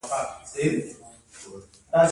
واحد سیاسي جوړښت یې نه درلود.